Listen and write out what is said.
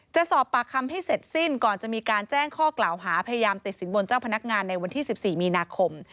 จะสอบปากคำให้เสร็จสิ้นก่อนจะมีการแจ้งข้อกล่าวหาพยายามติดสินบนเจ้าพนักงานในวันที่๑๔มีนาคม